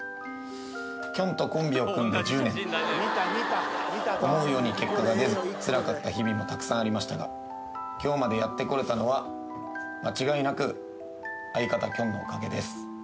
きょんとコンビを組んで１０年、思うように結果が出ず、つらかった日々もたくさんありましたが、きょうまでやってこれたのは、間違いなく相方、きょんのおかげです。